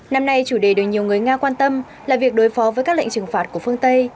năm nay chủ đề được nhiều người nga quan tâm là việc đối phó với các lệnh trừng phạt của phương tây